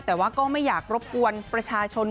แต่ว่าก็ไม่อยากรบกวนประชาชนคนอื่นนะ